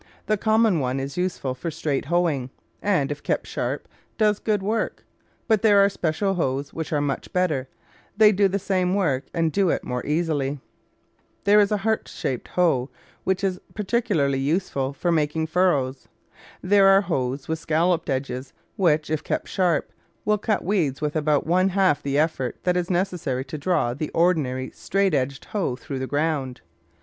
The common one is useful for straight hoeing, and, if kept sharp, does good work, but there are special hoes which are much better; they do the same work and do it more easily. There is a heart shaped hoe which is particularly useful for making furrows. There are hoes with scalloped edges, which, if kept sharp, will cut weeds with about one half the effort that is necessary to draw the ordi nary straight edged hoe through the ground.